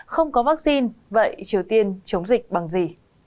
không có vaccine vậy triều tiên chống dịch bằng gì